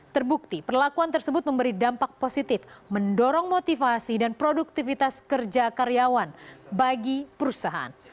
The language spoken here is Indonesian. terbukti perlakuan tersebut memberi dampak positif mendorong motivasi dan produktivitas kerja karyawan bagi perusahaan